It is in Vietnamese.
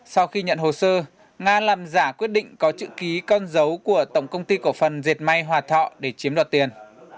sau khi nhận hồ sơ nga làm giả quyết định có chữ ký con dấu của tổng công ty cổ phần dệt may hòa thọ để chiếm đoạt tiền